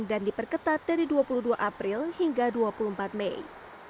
dan diperketat dari dua puluh dua april hingga dua puluh empat mei